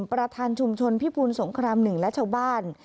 ประธานชุมชนพิบูลสงคราม๑และชาวบ้าน